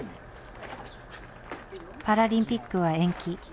パラリンピックは延期。